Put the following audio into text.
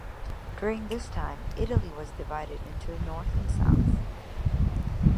During this time, Italy was divided into north and south.